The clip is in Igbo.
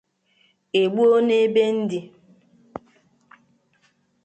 e gbuo' n'ebe ndị